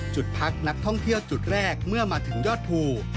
จุดพักนักท่องเที่ยวจุดแรกเมื่อมาถึงยอดภู